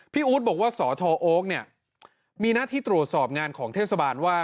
อู๊ดบอกว่าสทโอ๊คเนี่ยมีหน้าที่ตรวจสอบงานของเทศบาลว่า